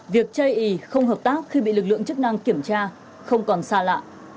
việc chây ý không hợp tác khi bị lực lượng chức năng kiểm tra không còn xa lạ